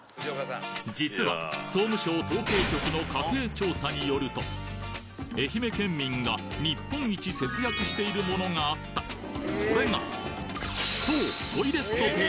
実は総務省統計局の家計調査によると愛媛県民が日本一節約しているものがあったそれがそう！